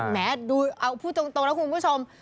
แม้ดูเอาพูดจริงแล้วคุณผู้ชม